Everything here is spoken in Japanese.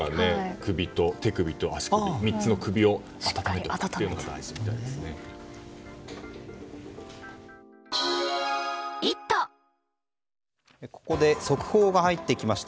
首と手首と足首３つの首を暖めるのがここで速報が入ってきました。